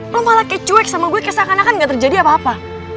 lo malah kecuek sama gue kayak seakan akan gak terjadi apa apa